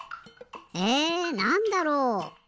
えなんだろう？